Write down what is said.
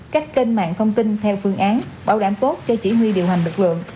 các kênh mạng thông tin theo phương án bảo đảm tốt cho chỉ huy điều hành lực lượng